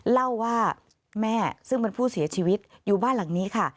เล่าว่าแม่ซึ่งเป็นผู้เสียชีวิตอยู่บ้านหลังนี้ค่ะ